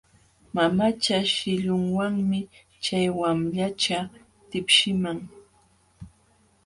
Mamacha shillunwanmi chay wamlacha tipshiqman.